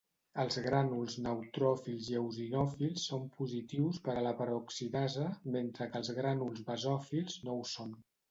Els grànuls neutròfils i eosinòfils són positius per a la peroxidasa, mentre que els grànuls basòfils no ho són.